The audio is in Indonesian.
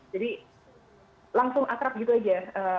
jadi langsung atrap gitu aja